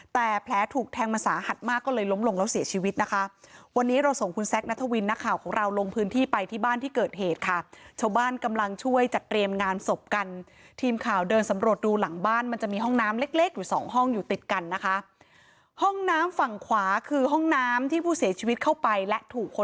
แต่แผลถูกแทงมันสาหัสมากก็เลยล้มลงแล้วเสียชีวิตนะคะวันนี้เราส่งคุณแซคนัทวินนักข่าวของเราลงพื้นที่ไปที่บ้านที่เกิดเหตุค่ะชาวบ้านกำลังช่วยจัดเตรียมงานศพกันทีมข่าวเดินสำรวจดูหลังบ้านมันจะมีห้องน้ำเล็กเล็กอยู่สองห้องอยู่ติดกันนะคะห้องน้ำฝั่งขวาคือห้องน้ำที่ผู้เสียชีวิตเข้าไปและถูกค